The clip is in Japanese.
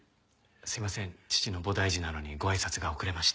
すいません父の菩提寺なのにごあいさつが遅れまして。